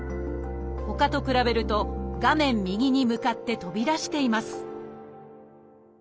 ほかと比べると画面右に向かって飛び出しています